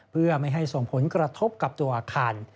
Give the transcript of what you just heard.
เพื่อไม่ให้ส่งผลกระทบกับตัวอาคาร